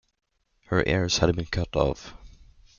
Her ears had been cut off.